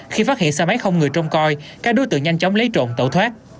khi phát hiện xe máy không người trông coi các đối tượng nhanh chóng lấy trộm tẩu thoát